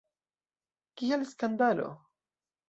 Kial skandalo?